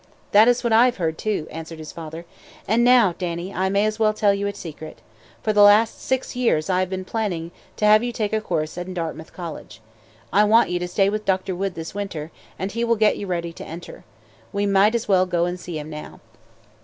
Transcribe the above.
"That is what I have heard, too," answered his father. "And now, Dannie, I may as well tell you a secret. For the last six years I have been planning to have you take a course in Dartmouth College. I want you to stay with Dr. Wood this winter, and he will get you ready to enter. We might as well go and see him now."